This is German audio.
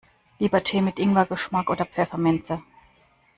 Lieber Tee mit Ingwer-Geschmack oder Pfefferminze?